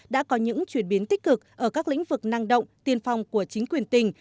đã có những chuyển biến tích cực ở các lĩnh vực năng động tiên phong của chính quyền tỉnh